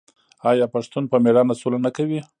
آیا پښتون په میړانه سوله نه کوي؟